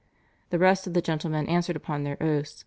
The rest of the gentlemen answered upon their oaths.